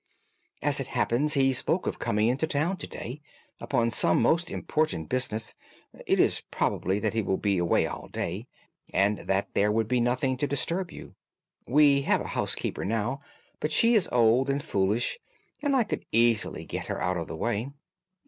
"As it happens, he spoke of coming into town to day upon some most important business. It is probable that he will be away all day, and that there would be nothing to disturb you. We have a housekeeper now, but she is old and foolish, and I could easily get her out of the way."